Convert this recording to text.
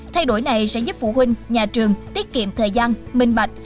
thay đổi này sẽ giúp phụ huynh nhà trường tiết kiệm thời gian minh bạch